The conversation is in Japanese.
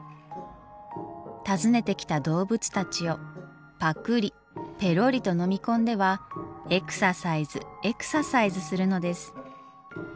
訪ねてきた動物たちをぱくりぺろりと飲み込んではエクササイズエクササイズするのです。